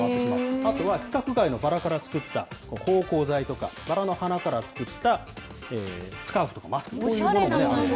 あとは規格外のバラから作った芳香剤とか、バラの花から作ったスカーフとかマスク。